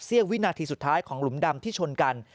วินาทีสุดท้ายของหลุมดำที่ชนกัน